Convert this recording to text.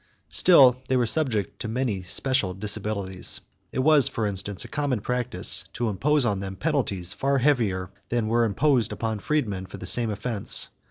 Still they were subject to many special disabilities. It was, for instance, a common practice to impose on them penalties far heavier than were imposed upon freemen for the same offense.